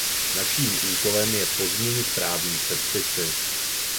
Naším úkolem je pozměnit právní předpisy.